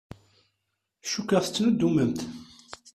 Cukkeɣ tettnuddumemt.